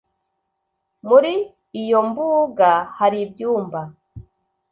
Muri iyo mbuga hari ibyumba